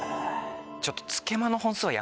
ちょっと。